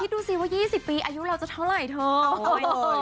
ดูสิว่า๒๐ปีอายุเราจะเท่าไหร่เถอะ